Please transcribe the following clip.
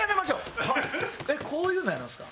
えっこういうのやるんですか？